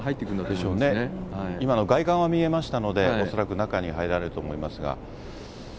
でしょうね、今、外観は見えましたので、恐らく、中に入られると思いますが。